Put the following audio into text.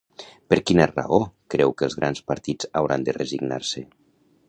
Per quina raó creu que els grans partits hauran de resignar-se?